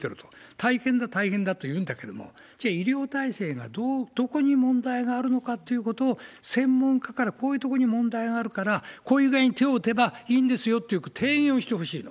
大変だ大変だと言うんだけれど、じゃあ医療体制がどこに問題があるかということを、専門家から、こういうとこに問題があるから、こういう具合に手を打てばいいんですよという提言をしてほしいの。